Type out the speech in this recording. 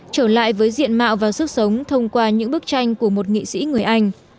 trở lại với diện mạo và sức sống thông qua những bức tranh của một nghị sĩ người anh